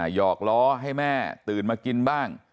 หอกล้อให้แม่ตื่นมากินบ้าง